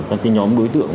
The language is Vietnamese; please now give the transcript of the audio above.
các cái nhóm đối tượng